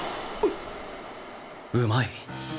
うまい！